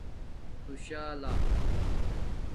تُݸشلہ